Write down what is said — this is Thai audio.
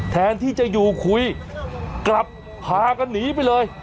แทนที่จะอยู่คุยกลับพากันหนีไปเลย